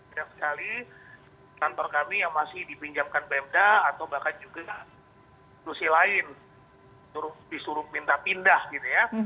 banyak sekali kantor kami yang masih dipinjamkan pemda atau bahkan juga tusi lain disuruh minta pindah gitu ya